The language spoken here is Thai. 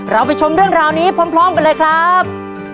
เราไปชมเรื่องราวนี้พร้อมกันเลยครับ